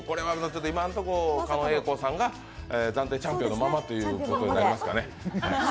今のところ狩野英孝さんが暫定チャンピオンのままということですかね。